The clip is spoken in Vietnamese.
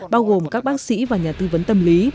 bao gồm các bác sĩ và nhà tư vấn tâm lý